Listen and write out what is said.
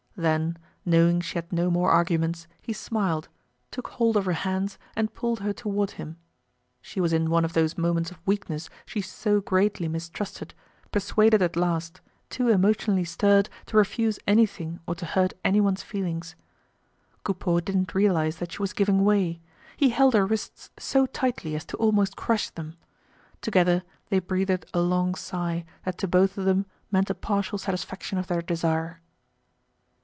Then, knowing she had no more arguments, he smiled, took hold of her hands and pulled her toward him. She was in one of those moments of weakness she so greatly mistrusted, persuaded at last, too emotionally stirred to refuse anything or to hurt anyone's feelings. Coupeau didn't realize that she was giving way. He held her wrists so tightly as to almost crush them. Together they breathed a long sigh that to both of them meant a partial satisfaction of their desire.